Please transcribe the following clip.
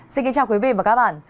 xin kính chào quý vị và các bạn